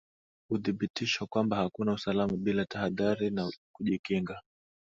Uthibitisho kwamba hakuna usalama bila tahadhari na kujikinga